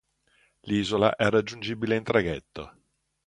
L'isola è raggiungibile in traghetto.